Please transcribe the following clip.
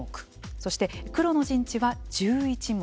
そして黒の陣地は１１目。